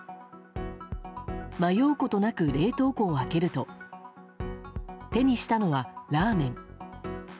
迷うことなく冷凍庫を開けると手にしたのはラーメン。